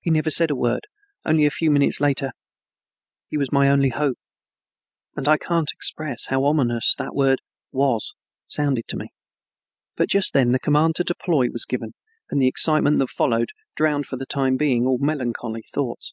He never said a word, only, a few minutes later, "He was my only hope"; and I can't express how ominous that word "was" sounded to me. But just then the command to deploy was given and the excitement that followed drowned for the time being all melancholy thoughts.